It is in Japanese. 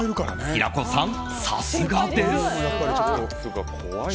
平子さん、さすがです！